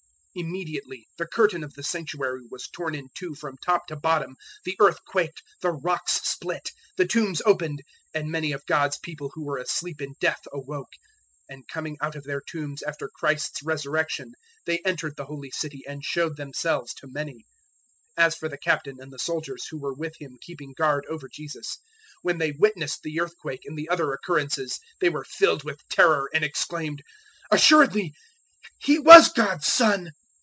027:051 Immediately the curtain of the Sanctuary was torn in two from top to bottom: the earth quaked; the rocks split; 027:052 the tombs opened; and many of God's people who were asleep in death awoke. 027:053 And coming out of their tombs after Christ's resurrection they entered the holy city and showed themselves to many. 027:054 As for the Captain and the soldiers who were with Him keeping guard over Jesus, when they witnessed the earthquake and the other occurrences they were filled with terror, and exclaimed, "Assuredly he was God's Son."